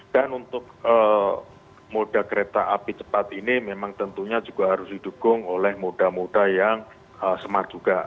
dan untuk moda kereta api cepat ini memang tentunya juga harus didukung oleh moda moda yang smart juga